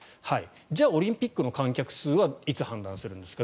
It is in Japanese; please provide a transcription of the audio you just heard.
じゃあ、オリンピックの観客数はいつ判断するんですか。